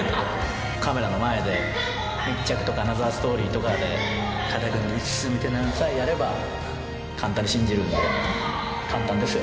カメラの前で、密着とかアナザーストーリーとかで肩組んで「うっす」みたいのさえやれば簡単に信じるんで、簡単ですよ。